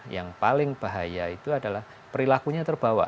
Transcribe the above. yang paling bahaya itu adalah perilakunya terbawa